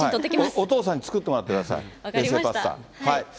お父さんに作ってもらってください。